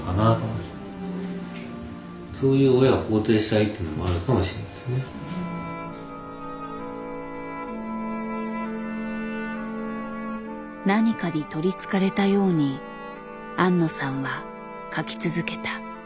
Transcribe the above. やっぱりこの何かに取りつかれたように庵野さんは描き続けた。